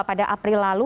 pada april lalu